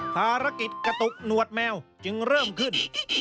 ภารกิจกระตุกหนวดแมวจึงเริ่มขึ้น